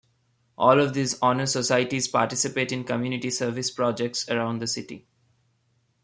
All of these honor societies participate in community service projects around the city.